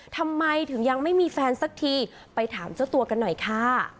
ทำไมถึงยังไม่มีแฟนสักทีไปถามเจ้าตัวกันหน่อยค่ะ